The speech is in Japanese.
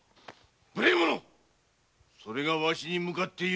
無礼者それがわしに向かって言う言葉か。